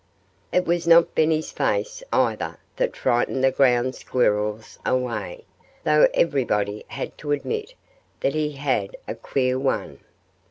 It was not Benny's face, either, that frightened the ground squirrels away, though everybody had to admit that he had a queer one.